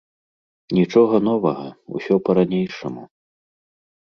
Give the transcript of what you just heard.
Нічога новага, усё па-ранейшаму.